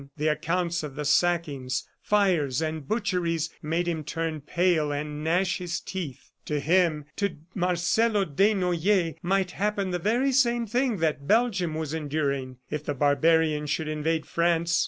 The accounts of the sackings, fires and butcheries made him turn pale and gnash his teeth. To him, to Marcelo Desnoyers, might happen the very same thing that Belgium was enduring, if the barbarians should invade France.